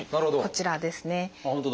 こちらですね。